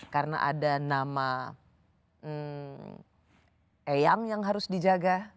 karena ada nama eyang yang harus dijaga